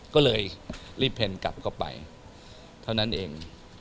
ก็เลยรีบเพ็ญกลับเข้าไปเท่านั้นเอง